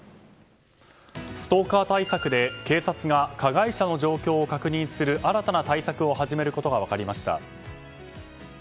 ストーカー対策で警察が加害者の状況を確認する新たな対策を始めることが分かりました。